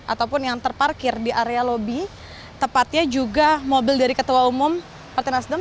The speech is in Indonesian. ataupun yang terparkir di area lobi tepatnya juga mobil dari ketua umum partai nasdem